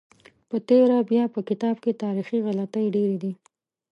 په تېره بیا چې په کتاب کې تاریخي غلطۍ ډېرې دي.